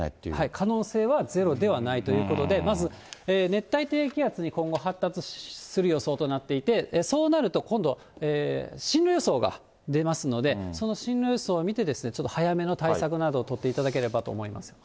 可能性はゼロではないということで、まず熱帯低気圧に今後、発達する予想となっていて、そうなると、今度、進路予想が出ますので、その進路予想を見て、ちょっと早めの対策などを取っていただければと思います。